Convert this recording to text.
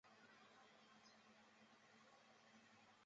射辐射对入射辐射的它将包括弥漫性和镜面反射辐射反映。